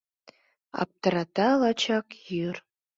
Аптырата лачак йӱр.